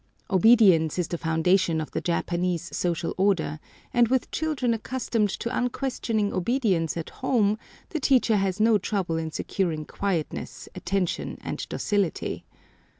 Obedience is the foundation of the Japanese social order, and with children accustomed to unquestioning obedience at home the teacher has no trouble in securing quietness, attention, and docility.